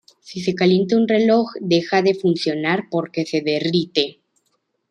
Si se calienta, un reloj deja de funcionar porque se derrite.